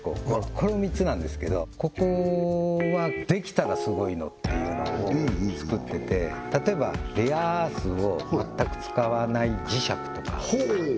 この３つなんですけどここはできたらすごいのっていうのを作ってて例えばレアアースを全く使わない磁石とかほう！